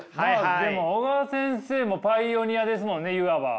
でも小川先生もパイオニアですもんねいわば。